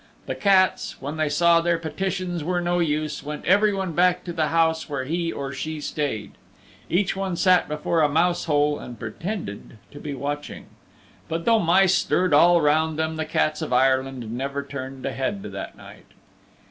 The cats, when they saw their petitions were no use, went everyone back to the house where he or she stayed. Each one sat before a mouse hole and pretended to be watching. But though mice stirred all round them the cats of Ireland never turned a head that night.